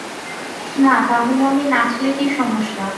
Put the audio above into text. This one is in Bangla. না তাহলে আমি নাচলে কি সমস্যা?